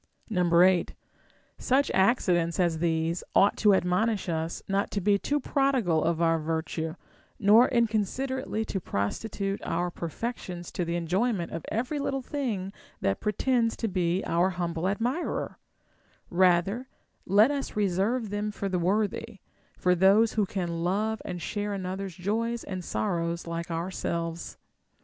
8. Such accidents as these ought to admonish us not to be too prodigal of our virtue, nor inconsiderately to prosti tute our perfections to the enjoyment of every little thing that pretends to be our humble admirer ; rather let us re serve them for the worthy, for those who can love and share another's joys and sorrows like ourselves.